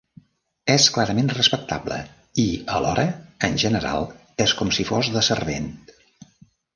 És clarament respectable i, alhora, en general, és com si fos de servent.